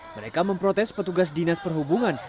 mereka memprotes petugas dinas perhubungan